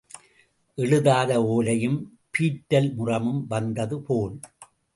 எழுதாத ஓலையும் பீற்றல் முறமும் வந்தது போல்.